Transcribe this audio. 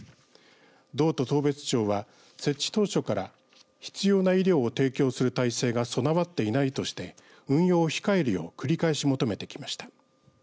道と当別町は設置当初から必要な医療を提供する体制が備わっていないとして運用を控えるよう繰り返し求めてきました。